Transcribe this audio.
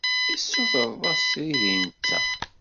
I tessutred-as srid i netta?